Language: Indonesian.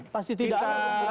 pasti tidak ada pelanggaran hukum